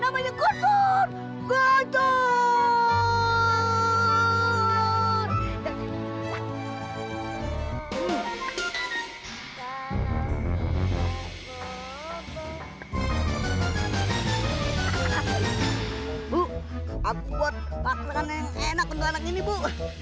bu aku buat pake makanan yang enak untuk anak ini bu